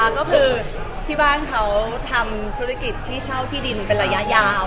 ก็คือที่บ้านเขาทำธุรกิจที่เช่าที่ดินเป็นระยะยาว